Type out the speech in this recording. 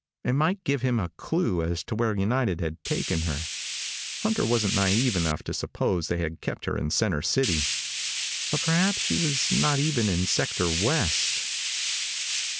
It might give him a clue as to where United had taken her. Hunter wasn't naive enough to suppose they had kept her in center city. But perhaps she was not even in Sector West.